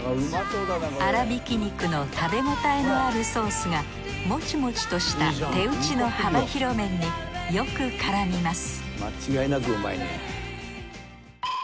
粗びき肉の食べ応えのあるソースがモチモチとした手打ちの幅広麺によく絡みます